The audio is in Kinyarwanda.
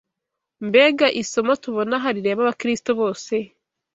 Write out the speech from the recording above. Mbega isomo tubona aha rireba Abakristo bose